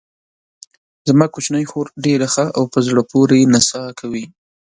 زما کوچنۍ خور ډېره ښه او په زړه پورې نڅا کوي.